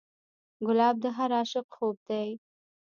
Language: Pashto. ګلاب د هر عاشق خوب دی.